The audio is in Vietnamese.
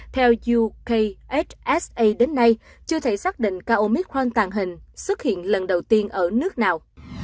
theo ukhsa đến nay chưa thể xác định ca omicron tàng hình xuất hiện lần đầu tiên ở nước nào